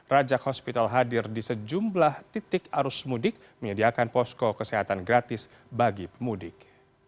rajak hospital hadir di sejumlah titik arus mudik menyediakan posko kesehatan gratis bagi pemudik